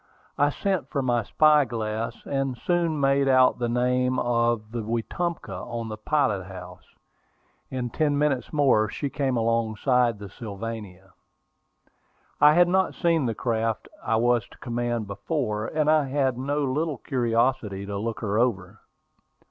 I sent for my spy glass, and soon made out the name of the Wetumpka on the pilot house. In ten minutes more she came alongside the Sylvania. I had not seen the craft I was to command before, and I had no little curiosity to look her over.